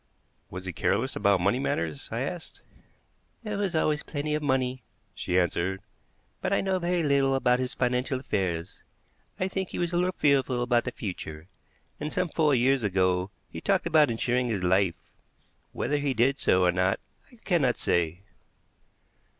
"Was he careless about money matters?" I asked. "There was always plenty of money," she answered, "but I know very little about his financial affairs. I think he was a little fearful about the future, and some four years ago he talked about insuring his life. Whether he did so or not, I cannot say."